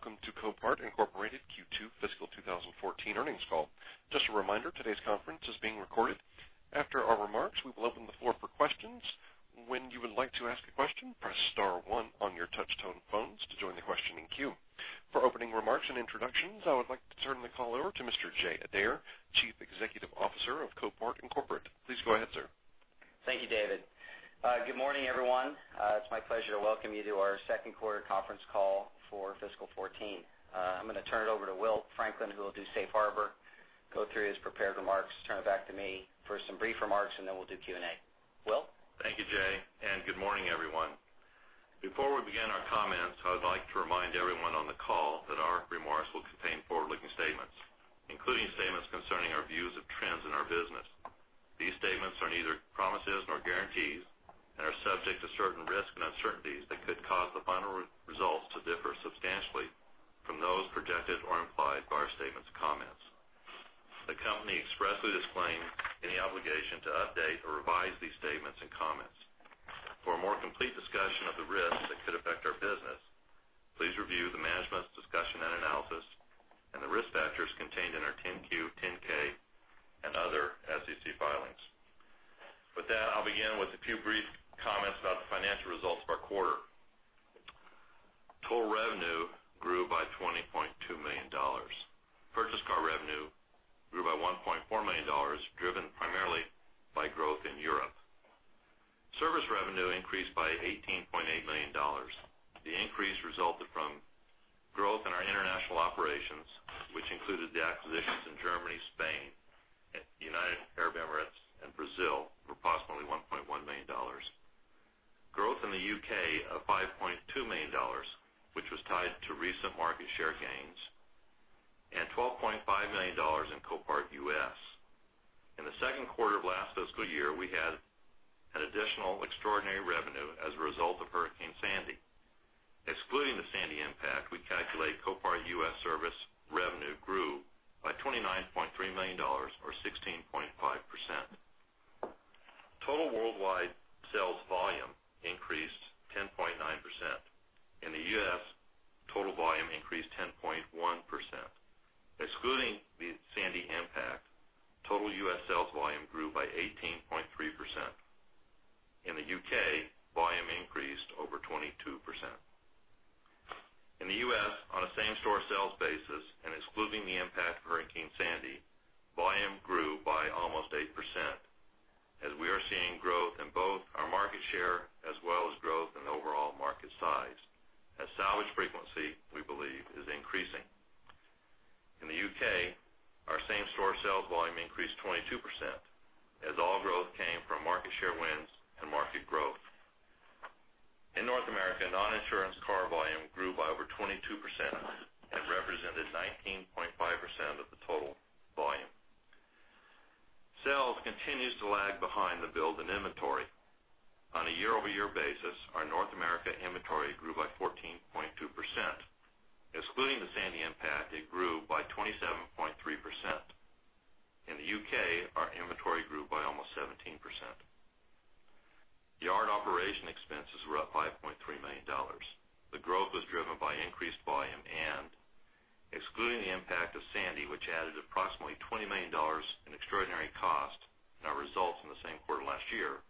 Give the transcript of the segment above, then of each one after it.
Good day, everyone, and welcome to Copart, Inc. Q2 fiscal 2014 earnings call. Just a reminder, today's conference is being recorded. After our remarks, we will open the floor for questions. When you would like to ask a question, press star one on your touch-tone phones to join the questioning queue. For opening remarks and introductions, I would like to turn the call over to Mr. Jay Adair, Chief Executive Officer of Copart, Inc.. Please go ahead, sir. Thank you, David. Good morning, everyone. It's my pleasure to welcome you to our second quarter conference call for fiscal 2014. I'm going to turn it over to Will Franklin, who will do Safe Harbor, go through his prepared remarks, turn it back to me for some brief remarks, and then we'll do Q&A. Will? Thank you, Jay, and good morning, everyone. Before we begin our comments, I would like to remind everyone on the call that our remarks will contain forward-looking statements, including statements concerning our views of trends in our business. These statements are neither promises nor guarantees and are subject to certain risks and uncertainties that could cause the final results to differ substantially from those projected or implied by our statements or comments. The company expressly disclaims any obligation to update or revise these statements and comments. For a more complete discussion of the risks that could affect our business, please review the management's discussion and analysis and the risk factors contained in our 10-Q, 10-K, and other SEC filings. With that, I'll begin with a few brief comments about the financial results of our quarter. Total revenue grew by $20.2 million. Purchase car revenue grew by $1.4 million, driven primarily by growth in Europe. Service revenue increased by $18.8 million. The increase resulted from growth in our international operations, which included the acquisitions in Germany, Spain, United Arab Emirates, and Brazil for approximately $1.1 million. Growth in the U.K. of $5.2 million, which was tied to recent market share gains, and $12.5 million in Copart U.S.. In the second quarter of last fiscal year, we had an additional extraordinary revenue as a result of Hurricane Sandy. Excluding the Sandy impact, we calculate Copart U.S. service revenue grew by $29.3 million, or 16.5%. Total worldwide sales volume increased 10.9%. In the U.S., total volume increased 10.1%. Excluding the Sandy impact, total U.S. sales volume grew by 18.3%. In the U.K., volume increased over 22%. In the U.S., on a same-store sales basis and excluding the impact of Hurricane Sandy, volume grew by almost 8%, as we are seeing growth in both our market share as well as growth in the overall market size, as salvage frequency, we believe, is increasing. In the U.K., our same-store sales volume increased 22%, as all growth came from market share wins and market growth. In North America, non-insurance car volume grew by over 22% and represented 19.5% of the total volume. Sales continues to lag behind the build in inventory. On a year-over-year basis, our North America inventory grew by 14.2%. Excluding the Sandy impact, it grew by 27.3%. In the U.K., our inventory grew by almost 17%. Yard operation expenses were up $5.3 million. The growth was driven by increased volume and excluding the impact of Sandy, which added approximately $20 million in extraordinary cost in our results in the same quarter last year,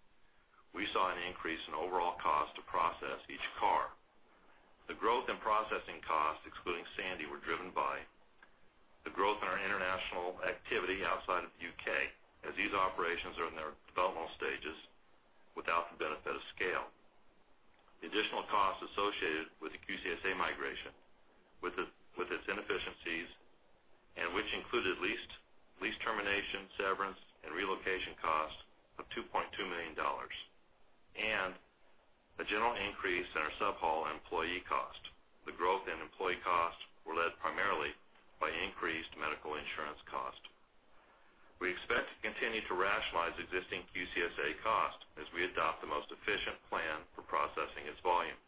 we saw an increase in overall cost to process each car. The growth in processing costs, excluding Sandy, were driven by the growth in our international activity outside of the U.K., as these operations are in their developmental stages without the benefit of scale. The additional costs associated with the QCSA migration, with its inefficiencies, and which included lease termination, severance, and relocation costs of $2.2 million, and a general increase in our sub-haul and employee cost. The growth in employee costs were led primarily by increased medical insurance cost. We expect to continue to rationalize existing QCSA costs as we adopt the most efficient plan for processing its volume.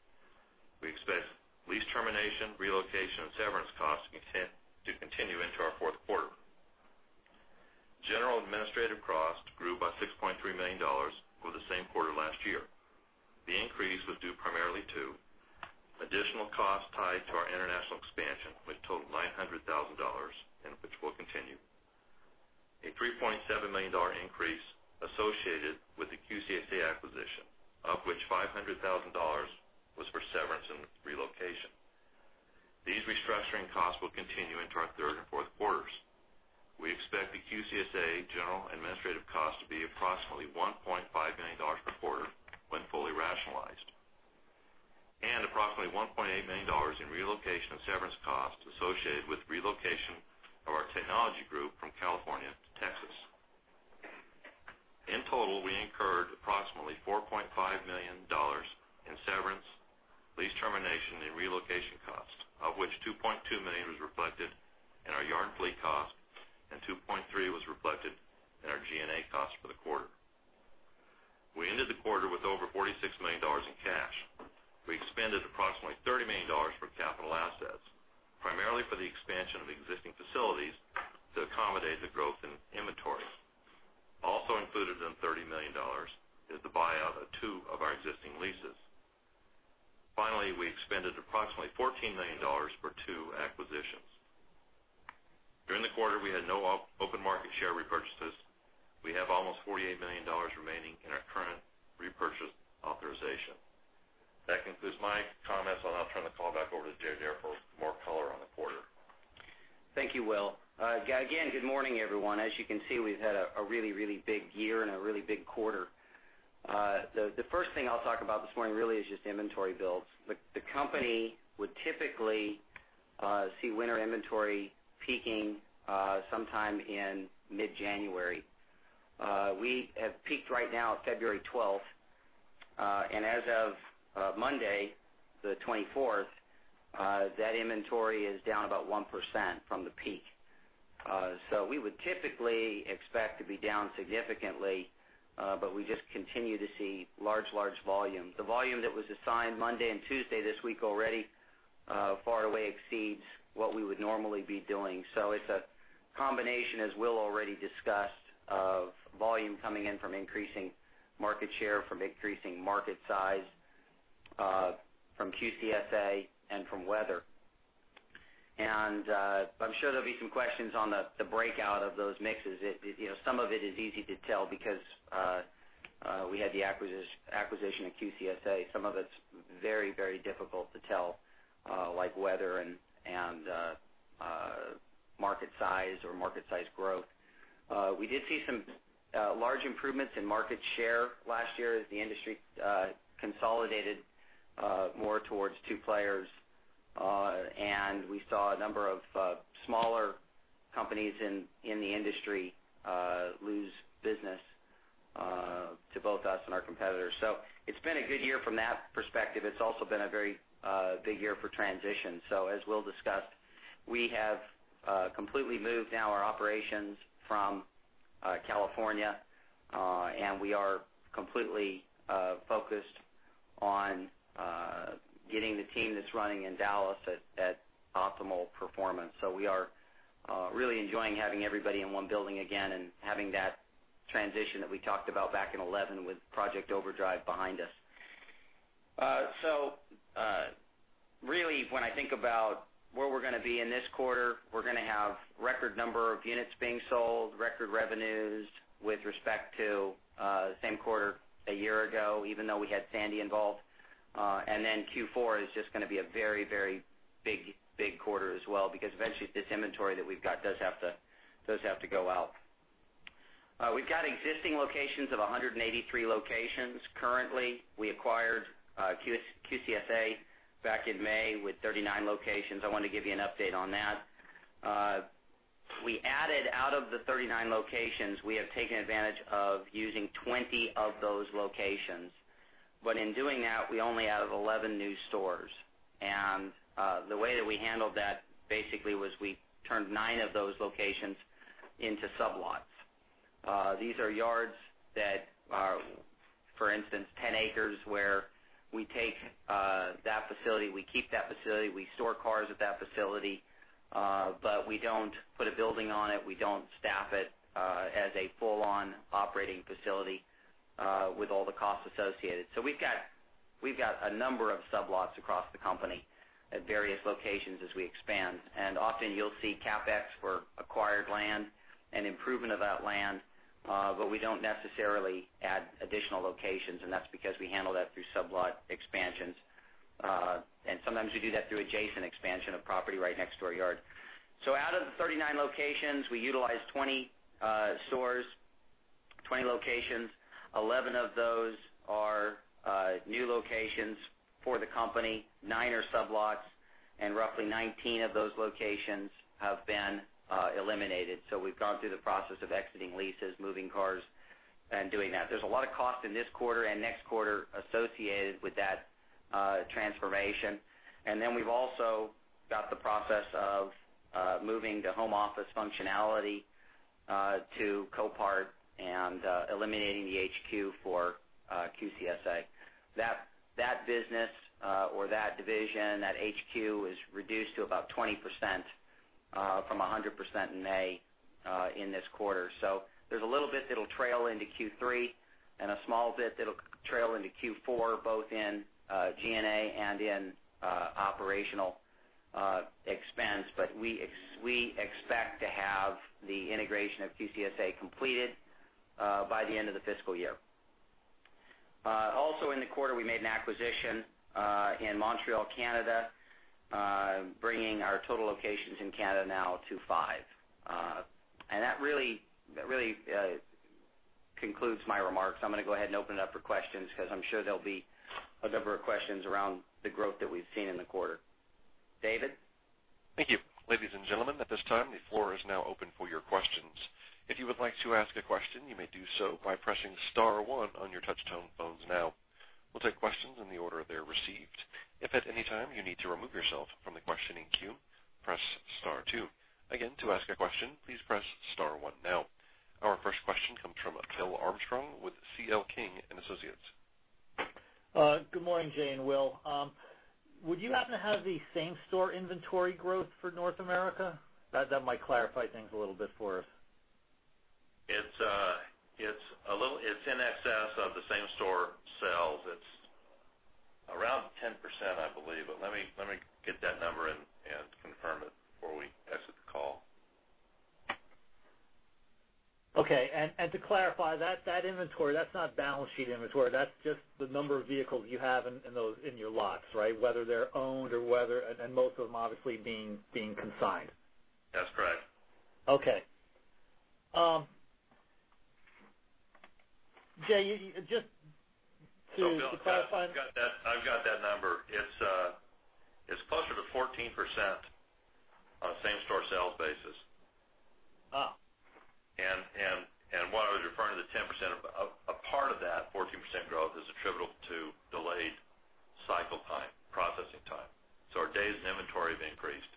We expect lease termination, relocation, and severance costs to continue into our fourth quarter. General administrative costs grew by $6.3 million over the same quarter last year. The increase was due primarily to additional costs tied to our international expansion, which totaled $900,000, and which will continue. A $3.7 million increase associated with the QCSA acquisition, of which $500,000 was for severance and relocation. These restructuring costs will continue into our third and fourth quarters. We expect the QCSA general administrative cost to be approximately $1.5 million per quarter when fully rationalized. Approximately $1.8 million in relocation and severance costs associated with relocation of our technology group from California to Texas. In total, we incurred approximately $4.5 million in severance, lease termination, and relocation costs, of which $2.2 million was reflected in our yard fleet cost, and $2.3 was reflected in our G&A cost for the quarter. We ended the quarter with over $46 million in cash. We expended approximately $30 million for capital assets, primarily for the expansion of existing facilities to accommodate the growth in Also included in the $30 million is the buyout of two of our existing leases. Finally, we expended approximately $14 million for two acquisitions. During the quarter, we had no open market share repurchases. We have almost $48 million remaining in our current repurchase authorization. That concludes my comments. I'll now turn the call back over to Jay Adair. for more color on the quarter. Thank you, Will. Again, good morning, everyone. As you can see, we've had a really big year and a really big quarter. The first thing I'll talk about this morning really is just inventory builds. The company would typically see winter inventory peaking sometime in mid-January. We have peaked right now February 12th, and as of Monday, the 24th, that inventory is down about 1% from the peak. We would typically expect to be down significantly, but we just continue to see large volumes. The volume that was assigned Monday and Tuesday this week already far exceeds what we would normally be doing. It's a combination, as Will already discussed, of volume coming in from increasing market share, from increasing market size, from QCSA, and from weather. I'm sure there'll be some questions on the breakout of those mixes. Some of it is easy to tell because we had the acquisition of QCSA. Some of it's very difficult to tell, like weather and market size or market size growth. We did see some large improvements in market share last year as the industry consolidated more towards two players. We saw a number of smaller companies in the industry lose business to both us and our competitors. It's been a good year from that perspective. It's also been a very big year for transition. As Will discussed, we have completely moved now our operations from California, and we are completely focused on getting the team that's running in Dallas at optimal performance. We are really enjoying having everybody in one building again and having that transition that we talked about back in 2011 with Project Overdrive behind us. Really, when I think about where we're going to be in this quarter, we're going to have record number of units being sold, record revenues with respect to the same quarter a year ago, even though we had Sandy involved. Q4 is just going to be a very big quarter as well, because eventually this inventory that we've got does have to go out. We've got existing locations of 183 locations currently. We acquired QCSA back in May with 39 locations. I want to give you an update on that. We added out of the 39 locations, we have taken advantage of using 20 of those locations. In doing that, we only have 11 new stores. The way that we handled that basically was we turned nine of those locations into sublots. These are yards that are, for instance, 10 acres, where we take that facility, we keep that facility, we store cars at that facility, but we don't put a building on it. We don't staff it as a full-on operating facility with all the costs associated. We've got a number of sublots across the company at various locations as we expand. Often you'll see CapEx for acquired land and improvement of that land, but we don't necessarily add additional locations, and that's because we handle that through sublot expansions. Sometimes we do that through adjacent expansion of property right next to our yard. Out of the 39 locations, we utilized 20 stores, 20 locations. 11 of those are new locations for the company, nine are sublots, and roughly 19 of those locations have been eliminated. We've gone through the process of exiting leases, moving cars, and doing that. There's a lot of cost in this quarter and next quarter associated with that transformation. We've also got the process of moving the home office functionality to Copart and eliminating the HQ for QCSA. That business or that division, that HQ is reduced to about 20% from 100% in May in this quarter. There's a little bit that'll trail into Q3 and a small bit that'll trail into Q4, both in G&A and in operational expense. We expect to have the integration of QCSA completed by the end of the fiscal year. Also in the quarter, we made an acquisition in Montreal, Canada, bringing our total locations in Canada now to five. That really concludes my remarks. I'm going to go ahead and open it up for questions because I'm sure there'll be a number of questions around the growth that we've seen in the quarter. David? Thank you. Ladies and gentlemen, at this time, the floor is now open for your questions. If you would like to ask a question, you may do so by pressing *1 on your touch tone phones now. We'll take questions in the order they're received. If at any time you need to remove yourself from the questioning queue, press *2. Again, to ask a question, please press *1 now. Our first question comes from Bill Armstrong with C.L. King & Associates. Good morning, Jay and Will. Would you happen to have the same-store inventory growth for North America? That might clarify things a little bit for us. It's in excess of the same-store sales. It's around 10%, I believe. Let me get that number and confirm it before we exit the call. Okay. To clarify, that inventory, that's not balance sheet inventory, that's just the number of vehicles you have in your lots, right? Whether they're owned or whether, and most of them obviously being consigned. That's correct. Okay. Jay, just to clarify. Phil, I've got that number. It's closer to 14% on a same-store sales basis. What I was referring to, the 10%, a part of that 14% growth is attributable to delayed cycle time, processing time. Our days of inventory have increased.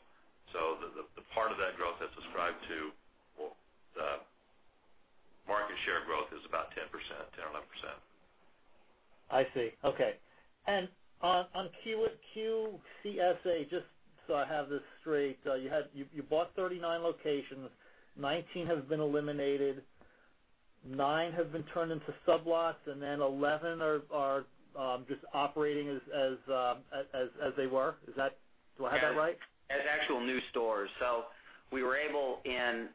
The part of that growth that's ascribed to the market share growth is about 10%, 10 or 11%. I see. Okay. On QCSA, just so I have this straight, you bought 39 locations, 19 have been eliminated, nine have been turned into sublots, and then 11 are just operating as they were. Do I have that right? As actual new stores. We were able, in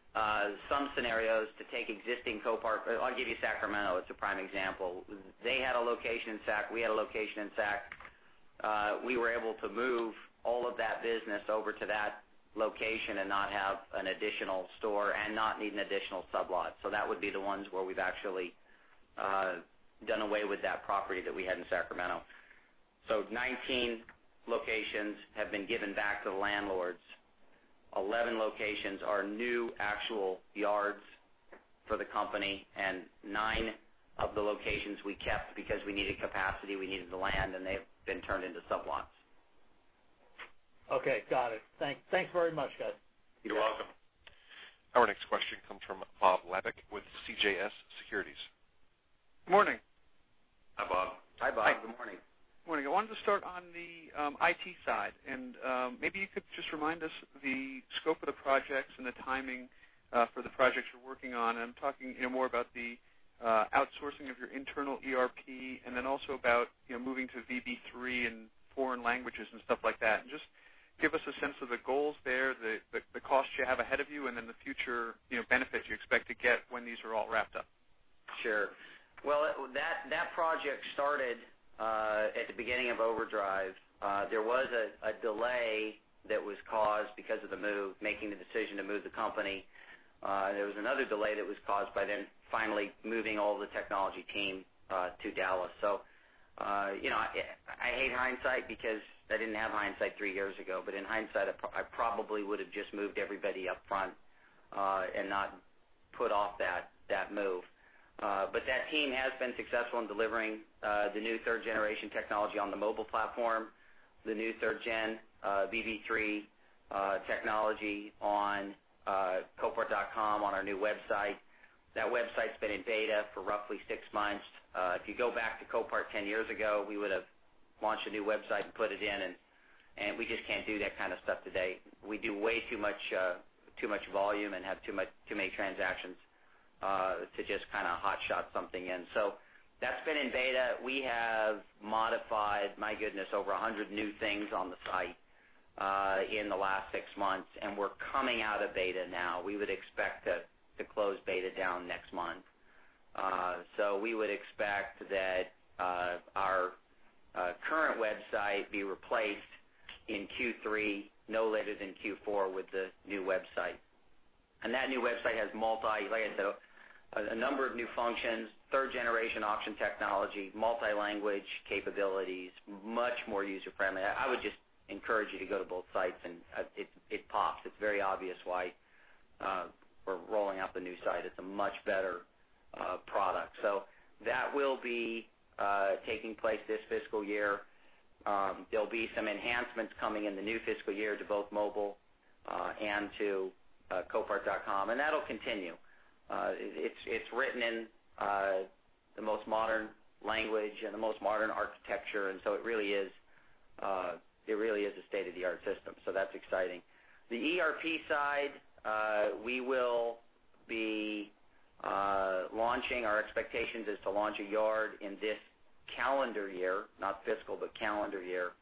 some scenarios, to take existing Copart. I'll give you Sacramento as a prime example. They had a location in Sac, we had a location in Sac. We were able to move all of that business over to that location and not have an additional store and not need an additional sublot. That would be the ones where we've actually done away with that property that we had in Sacramento. 19 locations have been given back to the landlords. 11 locations are new actual yards for the company, and nine of the locations we kept because we needed capacity, we needed the land, and they've been turned into sublots. Okay, got it. Thanks very much, guys. You're welcome. Our next question comes from Bob Labick with CJS Securities. Morning. Hi, Bob. Hi, Bob. Good morning. Morning. I wanted to start on the IT side, maybe you could just remind us the scope of the projects and the timing for the projects you're working on. I'm talking more about the outsourcing of your internal ERP, then also about moving to VB3 and foreign languages and stuff like that. Just give us a sense of the goals there, the cost you have ahead of you, then the future benefits you expect to get when these are all wrapped up. Sure. Well, that project started at the beginning of Project Overdrive. There was a delay that was caused because of making the decision to move the company. There was another delay that was caused by then finally moving all the technology team to Dallas. I hate hindsight because I didn't have hindsight three years ago, but in hindsight, I probably would've just moved everybody up front, not put off that move. That team has been successful in delivering the new third-generation technology on the mobile platform, the new third-gen, VB3 technology on copart.com, on our new website. That website's been in beta for roughly six months. If you go back to Copart 10 years ago, we would've launched a new website and put it in, we just can't do that kind of stuff today. We do way too much volume and have too many transactions to just kind of hotshot something in. That's been in beta. We have modified, my goodness, over 100 new things on the site, in the last six months, we're coming out of beta now. We would expect to close beta down next month. We would expect that our current website be replaced in Q3, no later than Q4 with the new website. That new website has multi, like I said, a number of new functions, third-generation auction technology, multi-language capabilities, much more user-friendly. I would just encourage you to go to both sites, it pops. It's very obvious why we're rolling out the new site. It's a much better product. That will be taking place this fiscal year. There'll be some enhancements coming in the new fiscal year to both mobile, and to copart.com. That'll continue. It's written in the most modern language and the most modern architecture, it really is a state-of-the-art system. That's exciting. The ERP side, we will be launching. Our expectation is to launch a yard in this calendar year, not fiscal, but calendar year,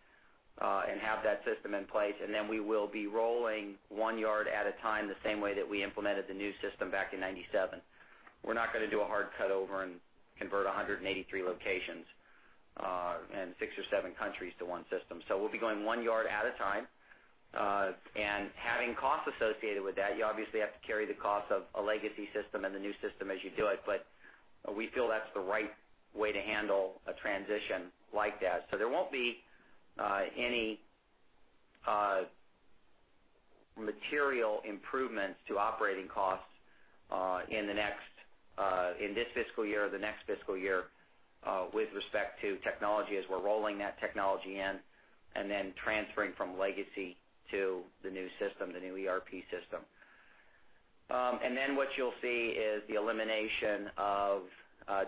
and have that system in place. Then we will be rolling one yard at a time, the same way that we implemented the new system back in 1997. We're not going to do a hard cut-over and convert 183 locations, and six or seven countries to one system. We'll be going one yard at a time, and having costs associated with that. You obviously have to carry the cost of a legacy system and the new system as you do it, we feel that's the right way to handle a transition like that. There won't be any material improvements to operating costs in this fiscal year or the next fiscal year, with respect to technology as we're rolling that technology in then transferring from legacy to the new system, the new ERP system. What you'll see is the elimination of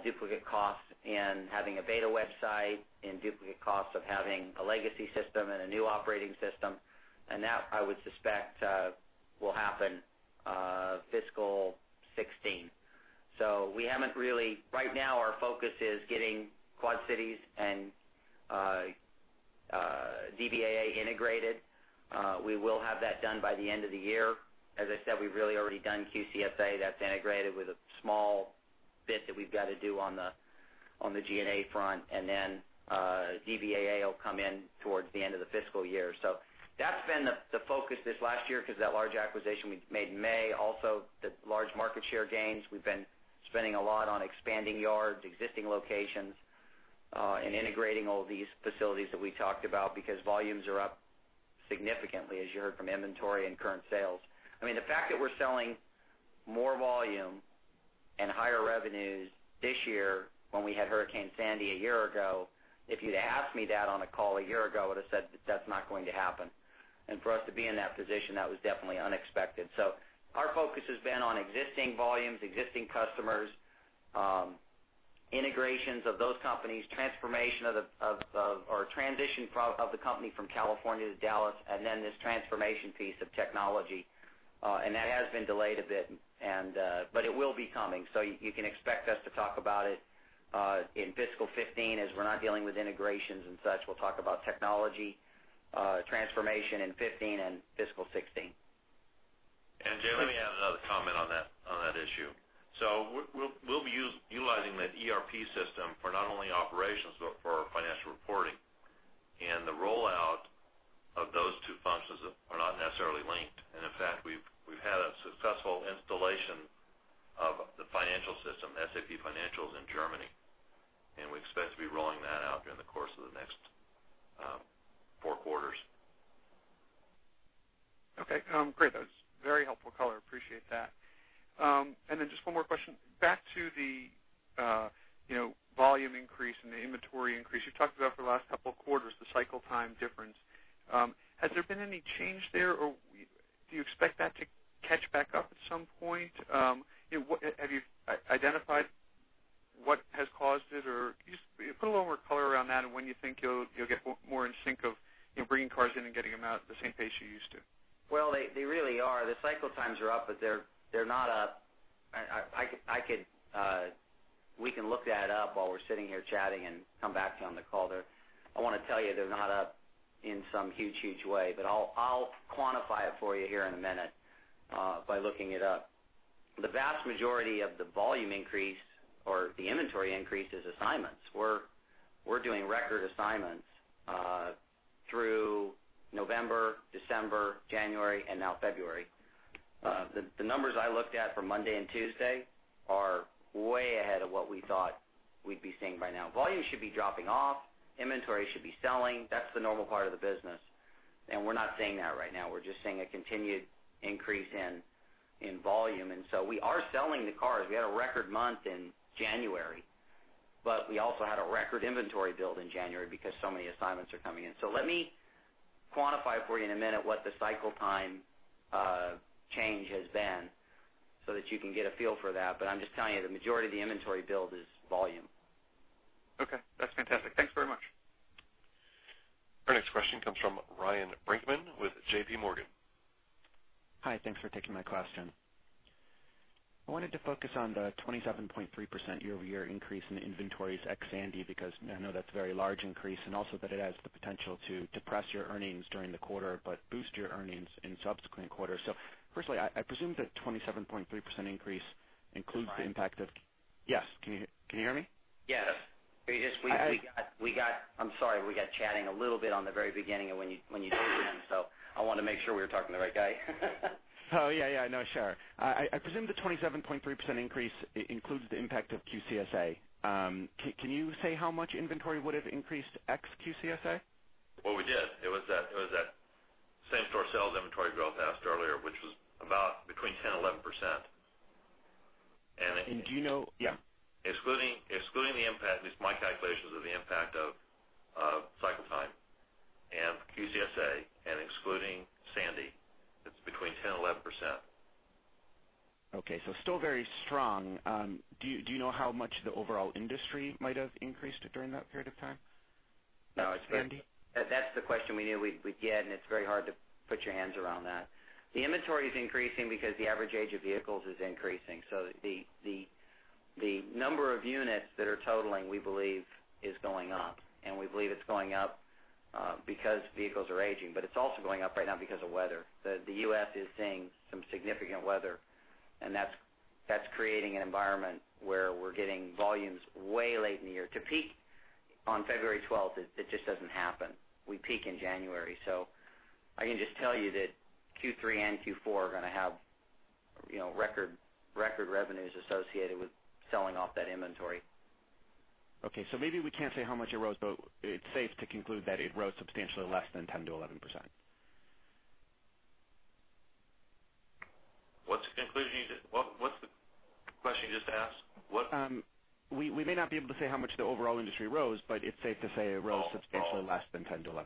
duplicate costs in having a beta website, and duplicate costs of having a legacy system and a new operating system. That, I would suspect, will happen fiscal 2016. Right now, our focus is getting Quad Cities and DVA integrated. We will have that done by the end of the year. As I said, we've really already done QCSA. That's integrated with a small bit that we've got to do on the G&A front. Then DVA will come in towards the end of the fiscal year. That's been the focus this last year because that large acquisition we made in May, also the large market share gains. We've been spending a lot on expanding yards, existing locations, and integrating all these facilities that we talked about because volumes are up significantly, as you heard from inventory and current sales. I mean, the fact that we're selling more volume and higher revenues this year when we had Hurricane Sandy a year ago, if you'd asked me that on a call a year ago, I would've said that that's not going to happen. For us to be in that position, that was definitely unexpected. Our focus has been on existing volumes, existing customers, integrations of those companies, transformation or transition of the company from California to Dallas, then this transformation piece of technology. That has been delayed a bit, it will be coming. You can expect us to talk about it in fiscal 2015 as we're not dealing with integrations and such. We'll talk about technology transformation in 2015 and fiscal 2016. Jay, let me add another comment on that issue. We'll be utilizing that ERP system for not only operations, but for financial reporting. The rollout of those two functions are not necessarily linked. In fact, we've had a successful installation of the financial system, SAP Financials in Germany. We expect to be rolling that out during the course of the next four quarters. Okay. Great. That was a very helpful color. Appreciate that. Just one more question. Back to the volume increase and the inventory increase. You've talked about for the last couple of quarters, the cycle time difference. Has there been any change there, or do you expect that to catch back up at some point? Have you identified what has caused it, or can you just put a little more color around that and when you think you'll get more in sync of bringing cars in and getting them out at the same pace you used to? They really are. The cycle times are up, but they're not up. We can look that up while we're sitting here chatting and come back on the call there. I want to tell you they're not up in some huge way. I'll quantify it for you here in a minute by looking it up. The vast majority of the volume increase or the inventory increase is assignments. We're doing record assignments through November, December, January, and now February. The numbers I looked at for Monday and Tuesday are way ahead of what we thought we'd be seeing by now. Volume should be dropping off. Inventory should be selling. That's the normal part of the business. We're not seeing that right now. We're just seeing a continued increase in volume. We are selling the cars. We had a record month in January, we also had a record inventory build in January because so many assignments are coming in. Let me quantify for you in a minute what the cycle time change has been so that you can get a feel for that. I'm just telling you, the majority of the inventory build is volume. Okay. That's fantastic. Thanks very much. Our next question comes from Ryan Brinkman with J.P. Morgan. Hi. Thanks for taking my question. I wanted to focus on the 27.3% year-over-year increase in inventories ex Hurricane Sandy, because I know that's a very large increase, and also that it has the potential to depress your earnings during the quarter but boost your earnings in subsequent quarters. Firstly, I presume the 27.3% increase includes the impact of- Ryan? Yes. Can you hear me? Yes. I'm sorry. We got chatting a little bit on the very beginning of when you told your name, so I wanted to make sure we were talking to the right guy. Oh, yeah. No, sure. I presume the 27.3% increase includes the impact of QCSA. Can you say how much inventory would have increased ex QCSA? Well, we did. It was that same-store sales inventory growth I asked earlier, which was about between 10% and 11%. Do you know? Yeah. Excluding the impact, at least my calculations of the impact of cycle time and QCSA, and excluding Hurricane Sandy, it is between 10% and 11%. Okay, still very strong. Do you know how much the overall industry might have increased during that period of time? No. That is the question we knew we would get, and it is very hard to put your hands around that. The inventory is increasing because the average age of vehicles is increasing. The number of units that are totaling, we believe, is going up, and we believe it is going up because vehicles are aging. It is also going up right now because of weather. The U.S. is seeing some significant weather, and that is creating an environment where we are getting volumes way late in the year. To peak on February 12th, it just does not happen. We peak in January. I can just tell you that Q3 and Q4 are going to have record revenues associated with selling off that inventory. Okay. Maybe we cannot say how much it rose, it is safe to conclude that it rose substantially less than 10% to 11%. What's the conclusion? Just ask. We may not be able to say how much the overall industry rose, but it's safe to say it rose substantially less than 10%-11%.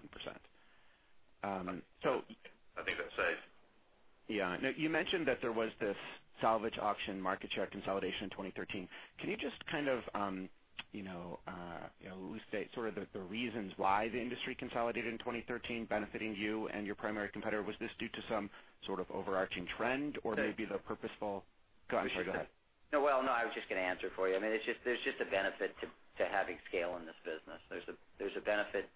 I think that's safe. Yeah. You mentioned that there was this salvage auction market share consolidation in 2013. Can you just kind of state the reasons why the industry consolidated in 2013, benefiting you and your primary competitor? Was this due to some sort of overarching trend or maybe the Go ahead, sorry. Go ahead. No, well, no, I was just going to answer for you. There's just a benefit to having scale in this business. There's a benefit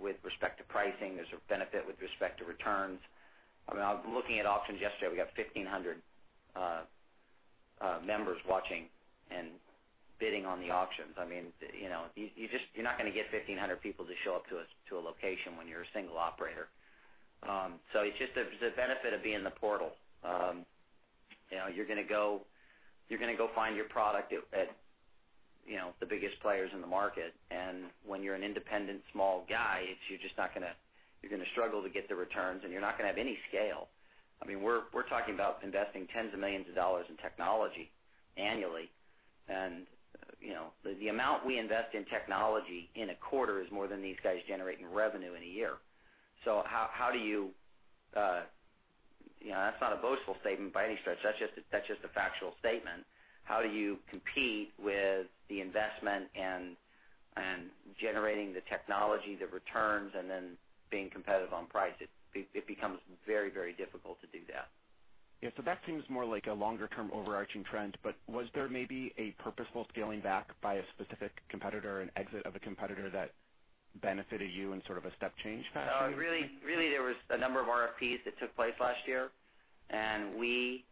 with respect to pricing. There's a benefit with respect to returns. I was looking at auctions yesterday. We got 1,500 members watching and bidding on the auctions. You're not going to get 1,500 people to show up to a location when you're a single operator. It's just the benefit of being the portal. You're going to go find your product at the biggest players in the market. When you're an independent small guy, you're going to struggle to get the returns, and you're not going to have any scale. We're talking about investing tens of millions of dollars in technology annually, and the amount we invest in technology in a quarter is more than these guys generate in revenue in a year. That's not a boastful statement by any stretch. That's just a factual statement. How do you compete with the investment and generating the technology, the returns, and then being competitive on price? It becomes very difficult to do that. Yeah. That seems more like a longer-term overarching trend, but was there maybe a purposeful scaling back by a specific competitor, an exit of a competitor that benefited you in sort of a step change fashion? Really, there was a number of RFPs that took place last year, and we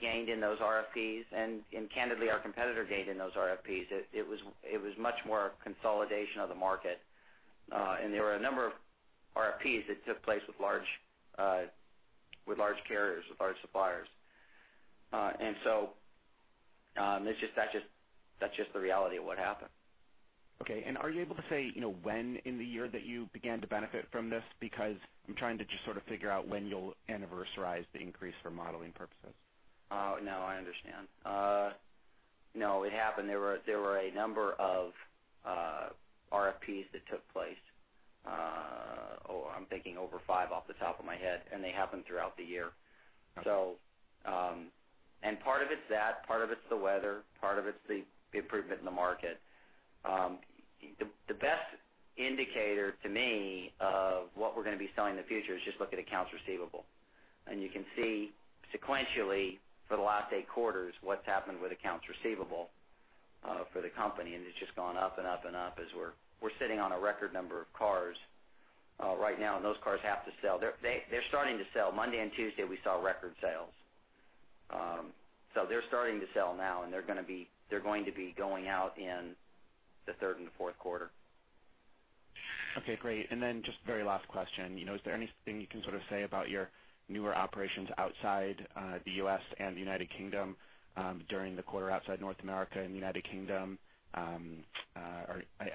gained in those RFPs, and candidly, our competitor gained in those RFPs. It was much more a consolidation of the market. There were a number of RFPs that took place with large carriers, with large suppliers. That's just the reality of what happened. Okay. Are you able to say when in the year that you began to benefit from this? Because I'm trying to just sort of figure out when you'll anniversarize the increase for modeling purposes. No, I understand. No, it happened. There were a number of RFPs that took place. I'm thinking over five off the top of my head. They happened throughout the year. Okay. Part of it's that, part of it's the weather, part of it's the improvement in the market. The best indicator to me of what we're going to be selling in the future is just look at accounts receivable. You can see sequentially for the last eight quarters what's happened with accounts receivable for the company, and it's just gone up and up as we're sitting on a record number of cars right now, and those cars have to sell. They're starting to sell. Monday and Tuesday, we saw record sales. They're starting to sell now, and they're going to be going out in the third and the fourth quarter. Okay, great. Just very last question. Is there anything you can sort of say about your newer operations outside the U.S. and the United Kingdom during the quarter outside North America and the United Kingdom?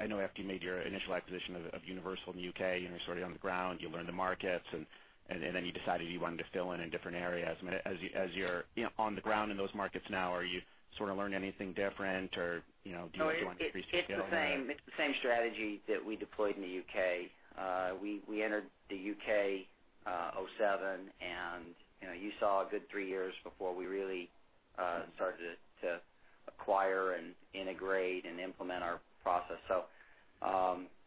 I know after you made your initial acquisition of Universal in the U.K., you were sort of on the ground, you learned the markets. You decided you wanted to fill in in different areas. As you're on the ground in those markets now, are you sort of learning anything different, or do you want to increase the scale there? It's the same strategy that we deployed in the U.K. We entered the U.K. 2007, you saw a good three years before we really started to acquire and integrate and implement our process.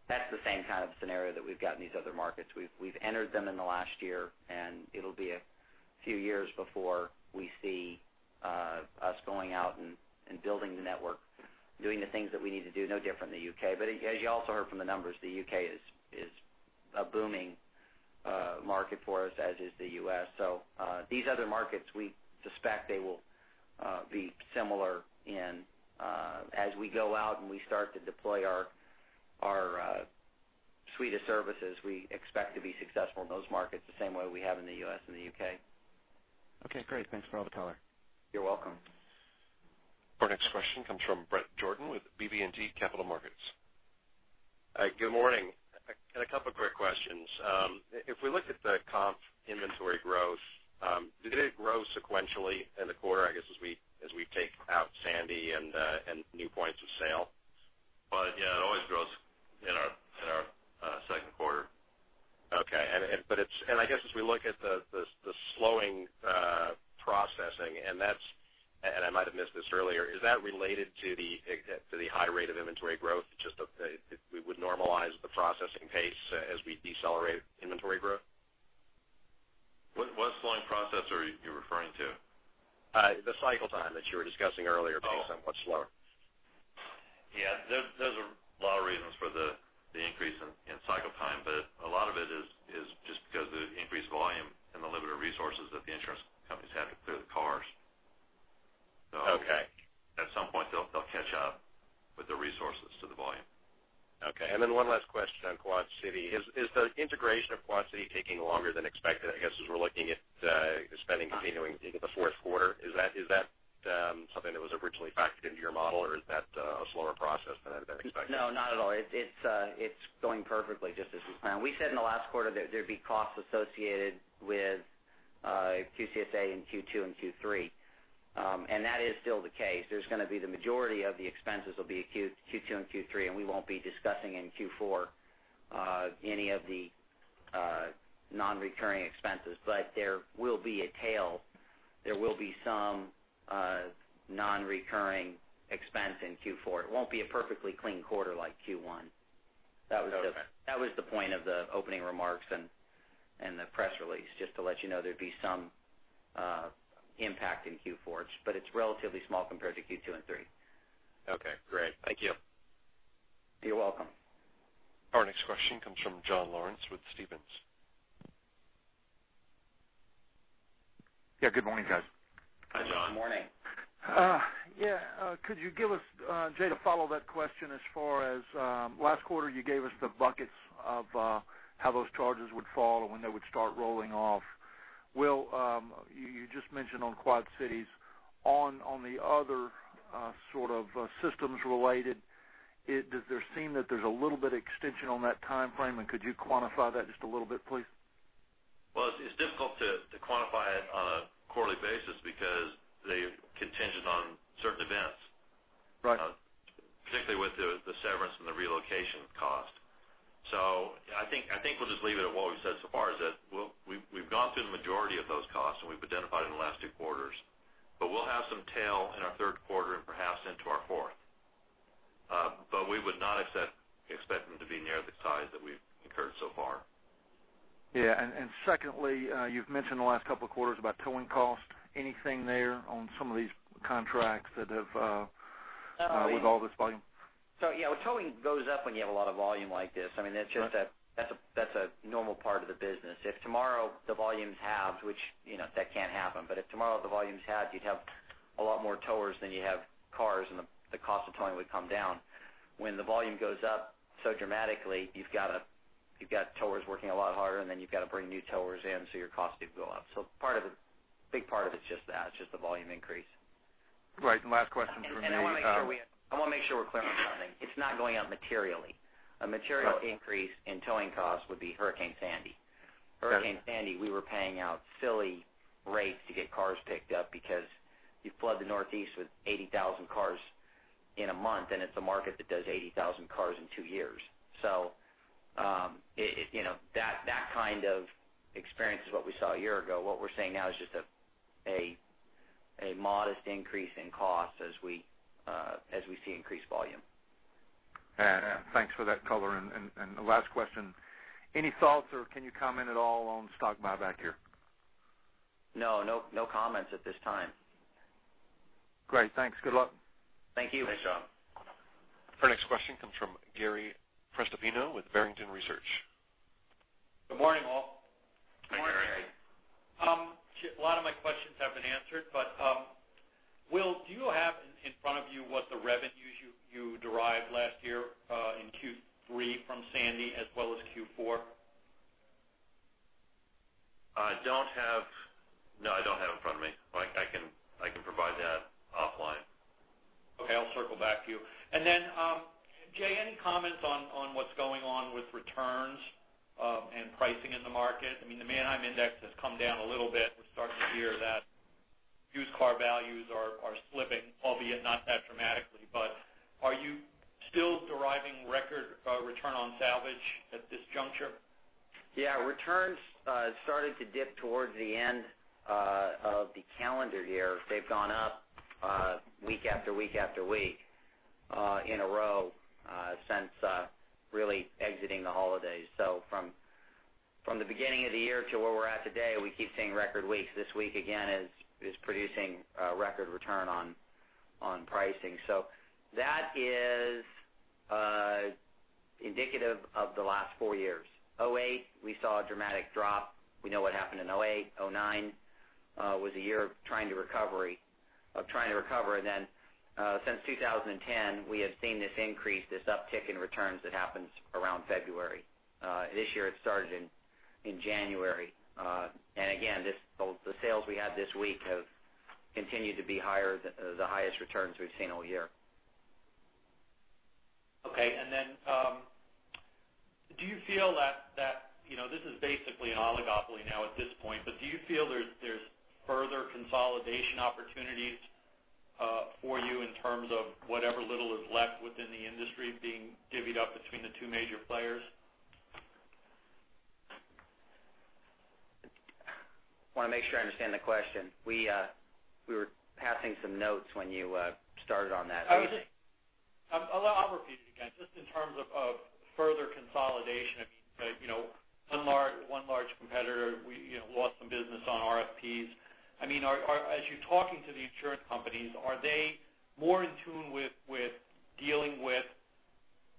That's the same kind of scenario that we've got in these other markets. We've entered them in the last year, it'll be a few years before we see us going out and building the network, doing the things that we need to do. No different than the U.K. As you also heard from the numbers, the U.K. is a booming market for us, as is the U.S. These other markets, we suspect they will be similar in as we go out and we start to deploy our suite of services, we expect to be successful in those markets the same way we have in the U.S. and the U.K. Okay, great. Thanks for all the color. You're welcome. Our next question comes from Bret Jordan with BB&T Capital Markets. Good morning. A couple of quick questions. If we look at the comp inventory growth, did it grow sequentially in the quarter, I guess, as we take out Sandy and new points of sale? Yeah, it always grows in our second quarter. Okay. I guess as we look at the slowing processing, and I might have missed this earlier, is that related to the high rate of inventory growth? Just that we would normalize the processing pace as we decelerate inventory growth. What slowing process are you referring to? The cycle time that you were discussing earlier being somewhat slower. Yeah. There's a lot of reasons for the increase in cycle time, but a lot of it is just because of the increased volume and the limited resources that the insurance company's having to clear the cars. Okay. At some point, they'll catch up with the resources to the volume. Okay. One last question on Quad City. Is the integration of Quad City taking longer than expected? I guess, as we're looking at spending continuing into the fourth quarter, is that something that was originally factored into your model, or is that a slower process than expected? No, not at all. It's going perfectly just as we planned. We said in the last quarter that there'd be costs associated with QCSA in Q2 and Q3. That is still the case. There's going to be the majority of the expenses will be Q2 and Q3, we won't be discussing in Q4 any of the non-recurring expenses. There will be a tail. There will be some non-recurring expense in Q4. It won't be a perfectly clean quarter like Q1. Okay. That was the point of the opening remarks and the press release, just to let you know there'd be some impact in Q4. It's relatively small compared to Q2 and three. Okay, great. Thank you. You're welcome. Our next question comes from John Lawrence with Stephens. Yeah, good morning, guys. Good morning. Hi, John. Yeah, could you give us, Jay, to follow that question as far as last quarter, you gave us the buckets of how those charges would fall and when they would start rolling off. Will, you just mentioned on Quad Cities. On the other sort of systems related, does there seem that there's a little bit extension on that timeframe, and could you quantify that just a little bit, please? Well, it's difficult to quantify it on a quarterly basis because they're contingent on certain events. Right. Particularly with the severance and the relocation cost. I think we'll just leave it at what we've said so far is that we've gone through the majority of those costs, and we've identified in the last two quarters. We'll have some tail in our Third Quarter and perhaps into our Fourth. We would not expect them to be near the size that we've incurred so far. Yeah. Secondly, you've mentioned the last couple of quarters about towing cost. Anything there on some of these contracts that have. Oh, With all this volume. Yeah, towing goes up when you have a lot of volume like this. That's a normal part of the business. If tomorrow the volumes halves, which that can't happen, but if tomorrow the volumes halved, you'd have a lot more towers than you have cars, and the cost of towing would come down. When the volume goes up so dramatically, you've got towers working a lot harder, and then you've got to bring new towers in, your costs do go up. A big part of it is just that. It's just the volume increase. Right. Last question from. I want to make sure we're clear on something. It's not going up materially. Right. A material increase in towing costs would be Hurricane Sandy. Okay. Hurricane Sandy, we were paying out silly rates to get cars picked up because you flood the northeast with 80,000 cars in a month, and it's a market that does 80,000 cars in two years. That kind of experience is what we saw a year ago. What we're seeing now is just a modest increase in cost as we see increased volume. Thanks for that color. The last question, any thoughts, or can you comment at all on stock buyback here? No. No comments at this time. Great. Thanks. Good luck. Thank you. Thanks, John. Our next question comes from Gary Prestopino with Barrington Research. Good morning, all. Good morning. Hi, Gary. A lot of my questions have been answered. Will, do you have in front of you what the revenues you derived last year in Q3 from Sandy as well as Q4? I don't have it in front of me. I can provide that offline. Okay, I'll circle back to you. Jay, any comments on what's going on with returns and pricing in the market? The Manheim Index has come down a little bit. We're starting to hear that used car values are slipping, albeit not that dramatically. Are you still deriving record return on salvage at this juncture? Yeah, returns started to dip towards the end of the calendar year. They've gone up week after week after week in a row since really exiting the holidays. From the beginning of the year to where we're at today, we keep seeing record weeks. This week, again, is producing a record return on pricing. That is indicative of the last four years. 2008, we saw a dramatic drop. We know what happened in 2008. 2009 was a year of trying to recover. Since 2010, we have seen this increase, this uptick in returns that happens around February. This year it started in January. Again, the sales we have this week have continued to be the highest returns we've seen all year. Okay. Do you feel this is basically an oligopoly now at this point, but do you feel there's further consolidation opportunities for you in terms of whatever little is left within the industry being divvied up between the two major players? Want to make sure I understand the question. We were passing some notes when you started on that. I'll repeat it again. Just in terms of further consolidation. One large competitor, we lost some business on RFPs. As you're talking to the insurance companies, are they more in tune with dealing with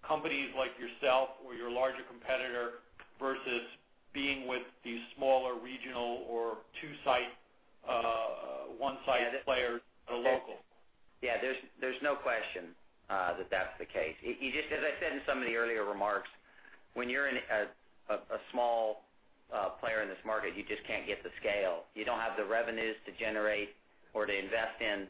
companies like yourself or your larger competitor versus being with these smaller regional or two-site, one-site players that are local? Yeah. There's no question that that's the case. As I said in some of the earlier remarks, when you're a small player in this market, you just can't get the scale. You don't have the revenues to generate or to invest in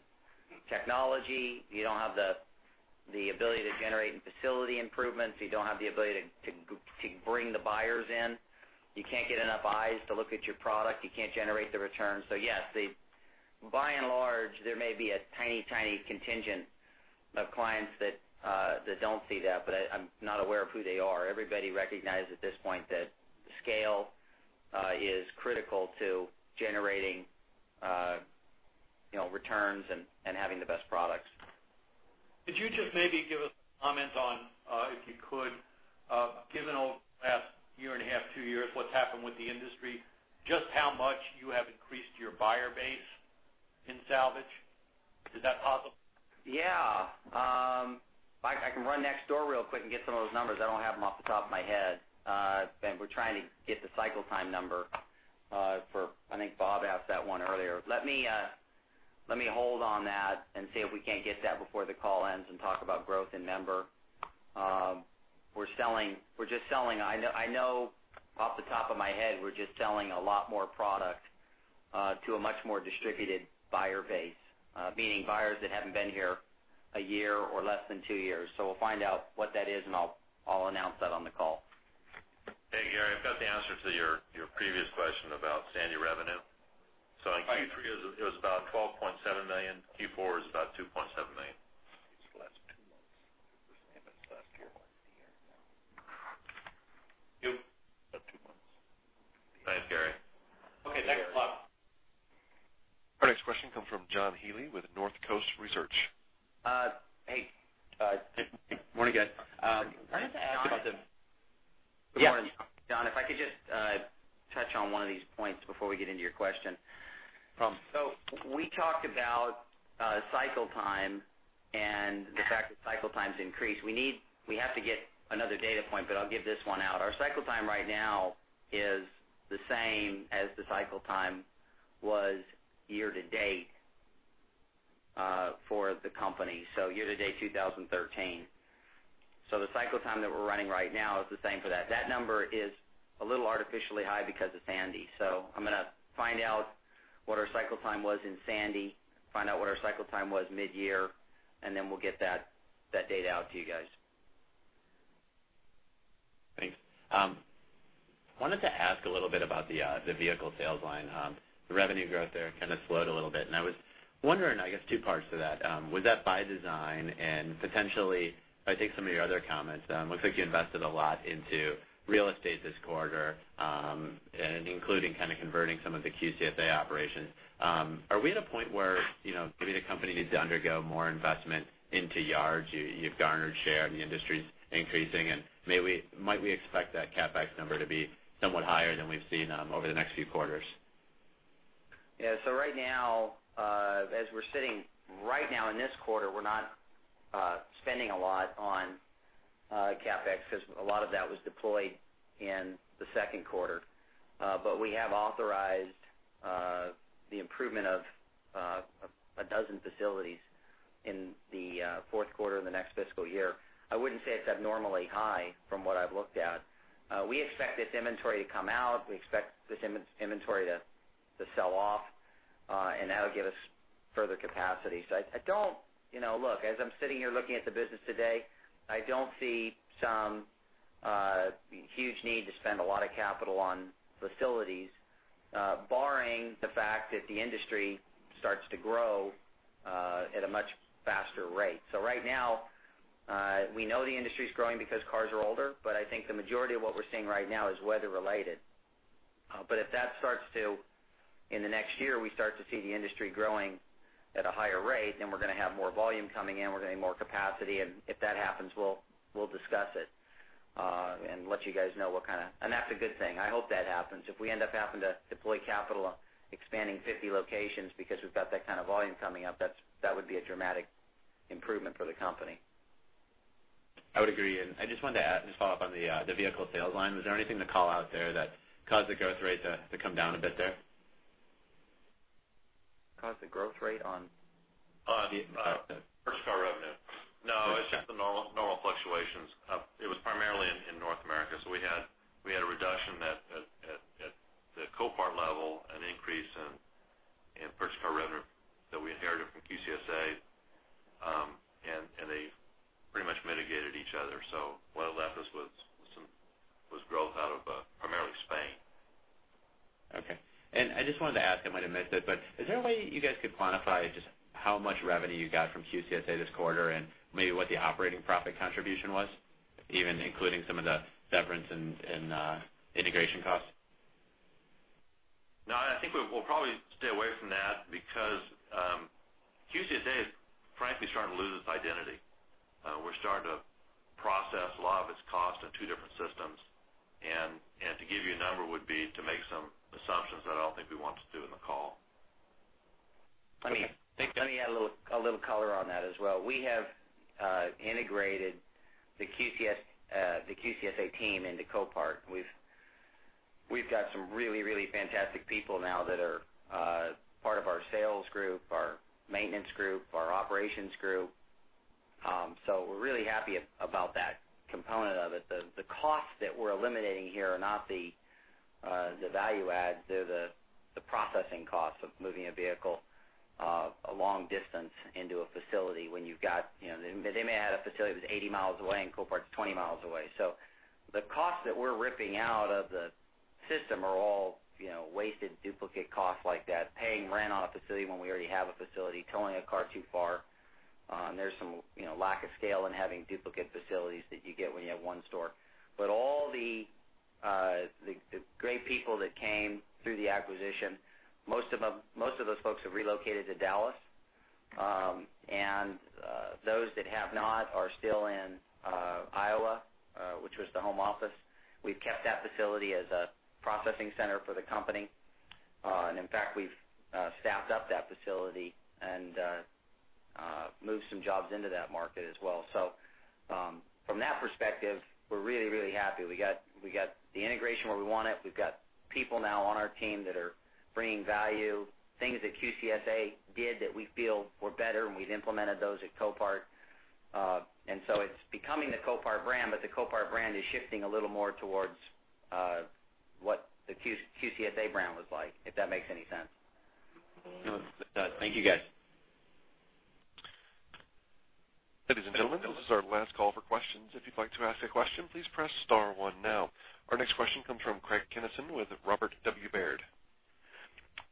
technology. You don't have the ability to generate in facility improvements. You don't have the ability to bring the buyers in. You can't get enough eyes to look at your product. You can't generate the returns. Yes, by and large, there may be a tiny contingent of clients that don't see that, but I'm not aware of who they are. Everybody recognizes at this point that scale is critical to generating returns and having the best products. Could you just maybe give us a comment on, if you could, given over the past one and a half, two years, what's happened with the industry, just how much you have increased your buyer base in salvage? Is that possible? Yeah. I can run next door real quick and get some of those numbers. I don't have them off the top of my head. We're trying to get the cycle time number for, I think Bob asked that one earlier. Let me hold on that and see if we can't get that before the call ends and talk about growth in member. I know off the top of my head, we're just selling a lot more product to a much more distributed buyer base, meaning buyers that haven't been here one year or less than two years. We'll find out what that is, and I'll announce that on the call. Hey, Gary, I've got the answer to your previous question about Sandy revenue. Right. In Q3, it was about $12.7 million. Q4 is about $2.7 million. It's the last two months. First half of the last quarter. Yeah. About two months. Thanks, Gary. Okay, thanks a lot. Our next question comes from John Healy with Northcoast Research. Hey. Morning, guys. I wanted to ask about the- Yeah. Good morning. John, if I could just touch on one of these points before we get into your question. Sure. We talked about cycle time and the fact that cycle time's increased. We have to get another data point, I'll give this one out. Our cycle time right now is the same as the cycle time was year-to-date for the company. Year-to-date 2013. The cycle time that we're running right now is the same for that. That number is a little artificially high because of Sandy. I'm going to find out what our cycle time was in Sandy, find out what our cycle time was midyear, and then we'll get that data out to you guys. Thanks. I wanted to ask a little bit about the vehicle sales line. The revenue growth there kind of slowed a little bit, I was wondering, I guess two parts to that. Was that by design and potentially, if I take some of your other comments, looks like you invested a lot into real estate this quarter, including kind of converting some of the QCSA operations. Are we at a point where, maybe the company needs to undergo more investment into yards? You've garnered share and the industry's increasing, might we expect that CapEx number to be somewhat higher than we've seen over the next few quarters? Right now, as we're sitting right now in this quarter, we're not spending a lot on CapEx because a lot of that was deployed in the second quarter. We have authorized the improvement of 12 facilities in the fourth quarter of the next fiscal year. I wouldn't say it's abnormally high from what I've looked at. We expect this inventory to come out. We expect this inventory to sell off. That'll give us further capacity. Look, as I'm sitting here looking at the business today, I don't see some huge need to spend a lot of capital on facilities, barring the fact that the industry starts to grow at a much faster rate. Right now, we know the industry's growing because cars are older, but I think the majority of what we're seeing right now is weather-related. If that starts to, in the next year, we start to see the industry growing at a higher rate, we're going to have more volume coming in, we're going to have more capacity, if that happens, we'll discuss it, let you guys know. That's a good thing. I hope that happens. If we end up having to deploy capital expanding 50 locations because we've got that kind of volume coming up, that would be a dramatic improvement for the company. I would agree. I just wanted to add, just follow up on the vehicle sales line. Was there anything to call out there that caused the growth rate to come down a bit there? Caused the growth rate on? On first car revenue. No, it's just the normal fluctuations. It was primarily in North America. We had a reduction at the Copart level, an increase in first car revenue that we inherited from QCSA, and they pretty much mitigated each other. What it left us with was growth out of primarily Spain. Okay. I just wanted to ask, I might have missed it, but is there a way you guys could quantify just how much revenue you got from QCSA this quarter and maybe what the operating profit contribution was, even including some of the severance and integration costs? I think we'll probably stay away from that because QCSA is frankly starting to lose its identity. We're starting to process a lot of its costs in two different systems, and to give you a number would be to make some assumptions that I don't think we want to do in the call. Okay. Thank you. Let me add a little color on that as well. We have integrated the QCSA team into Copart. We've got some really, really fantastic people now that are part of our sales group, our maintenance group, our operations group. We're really happy about that component of it. The costs that we're eliminating here are not the value add. They're the processing costs of moving a vehicle a long distance into a facility when they may have had a facility that was 80 miles away and Copart's 20 miles away. The costs that we're ripping out of the system are all wasted duplicate costs like that, paying rent on a facility when we already have a facility, towing a car too far. There's some lack of scale in having duplicate facilities that you get when you have one store. All the great people that came through the acquisition, most of those folks have relocated to Dallas. Those that have not are still in Iowa, which was the home office. We've kept that facility as a processing center for the company. In fact, we've staffed up that facility and moved some jobs into that market as well. From that perspective, we're really, really happy. We got the integration where we want it. We've got people now on our team that are bringing value, things that QCSA did that we feel were better, we've implemented those at Copart. It's becoming the Copart brand, but the Copart brand is shifting a little more towards what the QCSA brand was like, if that makes any sense. It does. Thank you, guys. Ladies and gentlemen, this is our last call for questions. If you'd like to ask a question, please press star one now. Our next question comes from Craig Kennison with Robert W. Baird.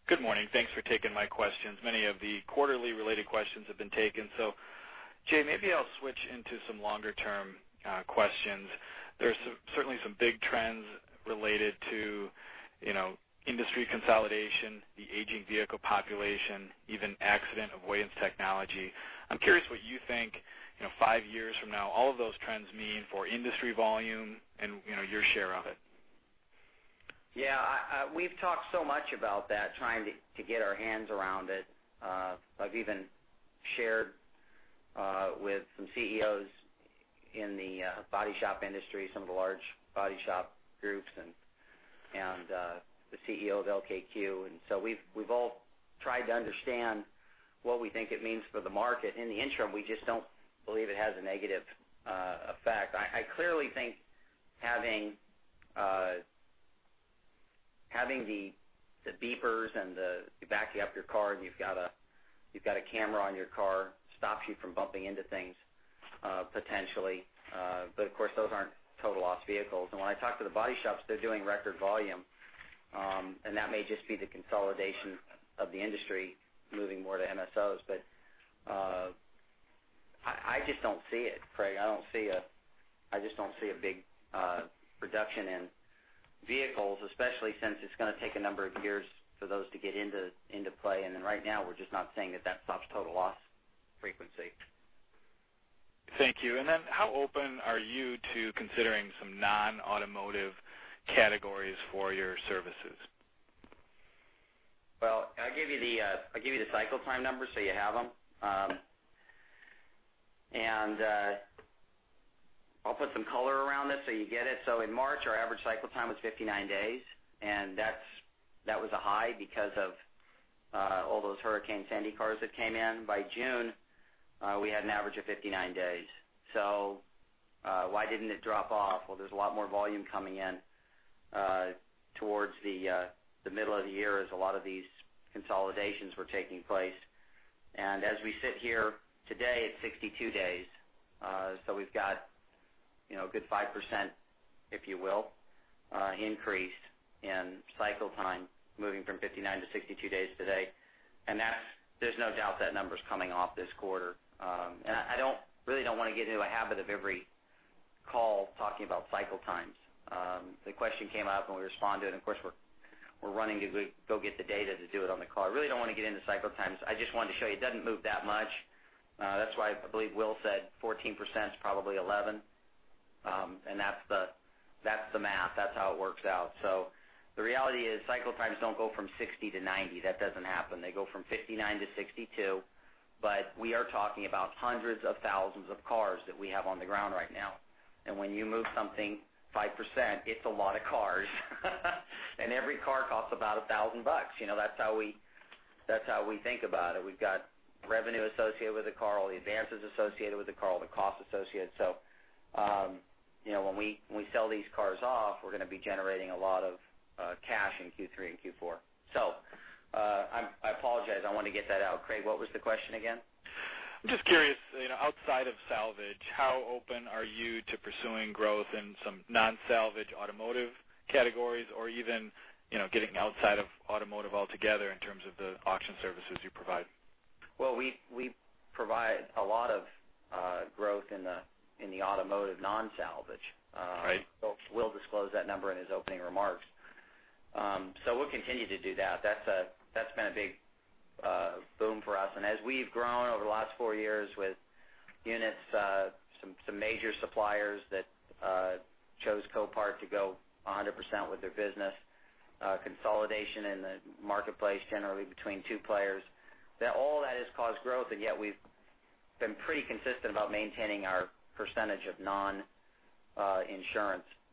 Good morning. Thanks for taking my questions. Many of the quarterly-related questions have been taken, Jay, maybe I'll switch into some longer-term questions. There's certainly some big trends related to industry consolidation, the aging vehicle population, even accident avoidance technology. I'm curious what you think five years from now, all of those trends mean for industry volume and your share of it. Yeah. We've talked so much about that, trying to get our hands around it. I've even shared with some CEOs in the body shop industry, some of the large body shop groups, and the CEO of LKQ. We've all tried to understand what we think it means for the market. In the interim, we just don't believe it has a negative effect. I clearly think having the beepers and the backing up your car, and you've got a camera on your car, stops you from bumping into things, potentially. Of course, those aren't total loss vehicles. When I talk to the body shops, they're doing record volume, and that may just be the consolidation of the industry moving more to MSOs. I just don't see it, Craig. I just don't see a big reduction in vehicles, especially since it's going to take a number of years for those to get into play. Right now, we're just not seeing that stops total loss frequency. Thank you. How open are you to considering some non-automotive categories for your services? Well, I'll give you the cycle time numbers so you have them. I'll put some color around it so you get it. In March, our average cycle time was 59 days, and that was a high because of all those Hurricane Sandy cars that came in. By June, we had an average of 59 days. Why didn't it drop off? Well, there's a lot more volume coming in towards the middle of the year as a lot of these consolidations were taking place. As we sit here today, it's 62 days. We've got a good 5%, if you will, increase in cycle time, moving from 59 to 62 days today. There's no doubt that number's coming off this quarter. I really don't want to get into a habit of every call talking about cycle times. The question came up, we respond to it, of course, we're running to go get the data to do it on the call. I really don't want to get into cycle times. I just wanted to show you it doesn't move that much. That's why I believe Will said 14% is probably 11%. That's the math. That's how it works out. The reality is cycle times don't go from 60 to 90. That doesn't happen. They go from 59 to 62. We are talking about hundreds of thousands of cars that we have on the ground right now. When you move something 5%, it's a lot of cars. Every car costs about $1,000. That's how we think about it. We've got revenue associated with the car, all the advances associated with the car, all the costs associated. When we sell these cars off, we're going to be generating a lot of cash in Q3 and Q4. I apologize. I want to get that out. Craig, what was the question again? I'm just curious, outside of salvage, how open are you to pursuing growth in some non-salvage automotive categories or even getting outside of automotive altogether in terms of the auction services you provide? Well, we provide a lot of growth in the automotive non-salvage. Right. Will disclosed that number in his opening remarks. We'll continue to do that. That's been a big boom for us. As we've grown over the last four years with units, some major suppliers that chose Copart to go 100% with their business, consolidation in the marketplace generally between two players. All that has caused growth, and yet we've been pretty consistent about maintaining our percentage of non-insurance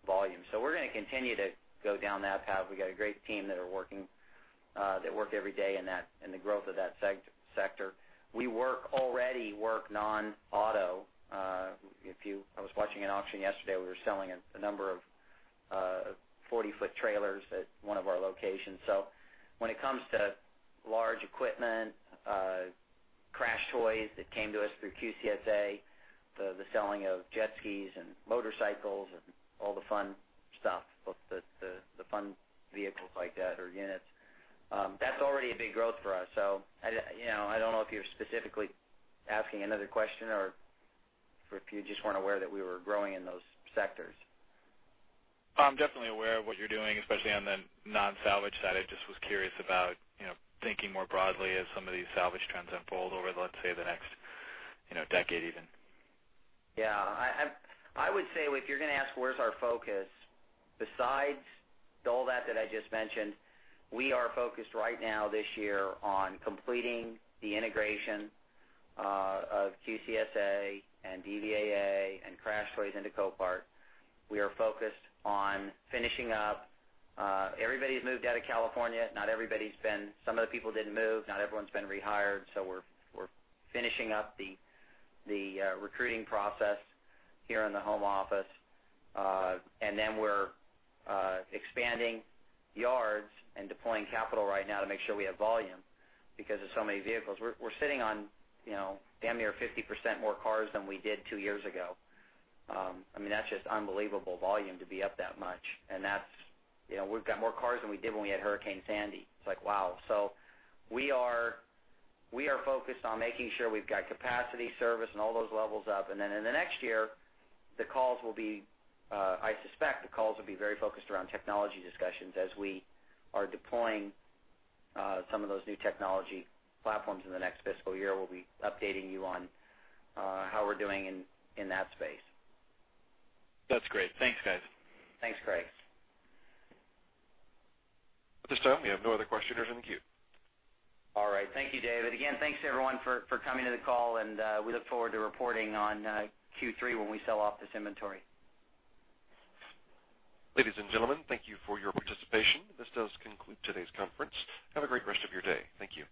volume. We're going to continue to go down that path. We've got a great team that work every day in the growth of that sector. We already work non-auto. I was watching an auction yesterday, we were selling a number of 40-foot trailers at one of our locations. When it comes to large equipment, CrashedToys that came to us through QCSA, the selling of jet skis and motorcycles and all the fun stuff, both the fun vehicles like that or units. That's already a big growth for us. I don't know if you're specifically asking another question or if you just weren't aware that we were growing in those sectors. I'm definitely aware of what you're doing, especially on the non-salvage side. I just was curious about thinking more broadly as some of these salvage trends unfold over, let's say, the next decade even. I would say, if you're going to ask where's our focus, besides all that that I just mentioned, we are focused right now this year on completing the integration of QCSA and DVAA and CrashedToys into Copart. We are focused on finishing up. Everybody's moved out of California. Some of the people didn't move. Not everyone's been rehired. We're finishing up the recruiting process here in the home office. We're expanding yards and deploying capital right now to make sure we have volume because there's so many vehicles. We're sitting on damn near 50% more cars than we did two years ago. That's just unbelievable volume to be up that much. We've got more cars than we did when we had Hurricane Sandy. It's like, wow. We are focused on making sure we've got capacity, service, and all those levels up. In the next year, I suspect the calls will be very focused around technology discussions as we are deploying some of those new technology platforms in the next fiscal year. We'll be updating you on how we're doing in that space. That's great. Thanks, guys. Thanks, Craig. At this time, we have no other questioners in the queue. All right. Thank you, David. Again, thanks everyone for coming to the call, and we look forward to reporting on Q3 when we sell off this inventory. Ladies and gentlemen, thank you for your participation. This does conclude today's conference. Have a great rest of your day. Thank you.